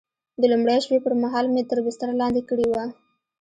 د لومړۍ شپې پر مهال مې تر بستر لاندې کړې وه.